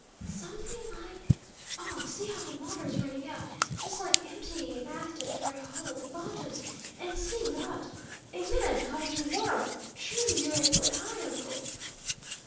"Something like oh, see how the water is running out, just like emptying a bathtub through a hole at the bottom! And see what a man caught in the whirl, true's you're a foot high, uncle!"